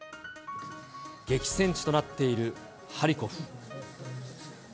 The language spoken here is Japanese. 激戦地となっているハリコフ。